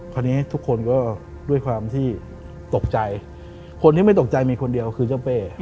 คราวนี้ทุกคนก็ด้วยความที่ตกใจคนที่ไม่ตกใจมีคนเดียวคือเจ้าเป้